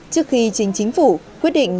trước khi chính chính phủ quyết định